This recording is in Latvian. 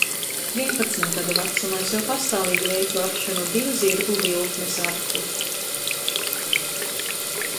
Vienpadsmit gadu vecumā es jau pastāvīgi veicu aršanu ar divu zirgu vilkmes arklu.